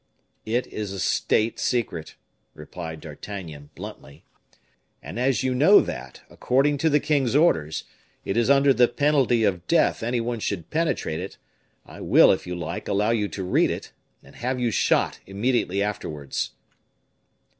"It is a state secret," replied D'Artagnan, bluntly; "and as you know that, according to the king's orders, it is under the penalty of death any one should penetrate it, I will, if you like, allow you to read it, and have you shot immediately afterwards."